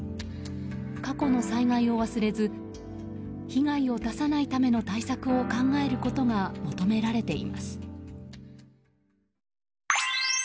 過去の災害を忘れず被害を出さないための対策を考えることが求められています。